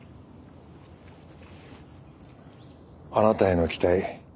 あなたへの期待